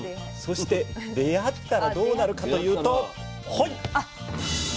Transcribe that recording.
そして出会ったらどうなるかというとハイ！